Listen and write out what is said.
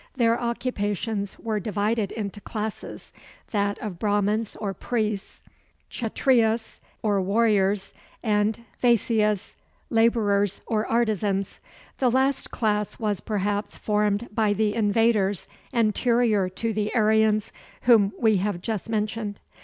Their occupations were divided into classes, that of Brahmans or priests, Kchatryas or warriors, and Vaisyas, laborers or artisans. The last class was perhaps formed by the invaders anterior to the Aryans, whom we have just mentioned.